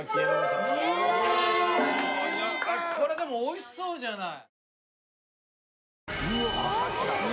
これでもおいしそうじゃない！